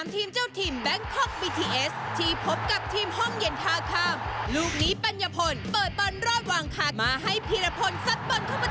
ทีมเยือนหยุดอึ้งกันไปเลย